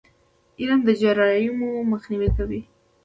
علم د جرایمو مخنیوی کوي.